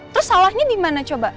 terus salahnya dimana coba